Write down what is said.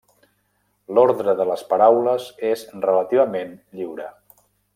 L'ordre de les paraules és relativament lliure.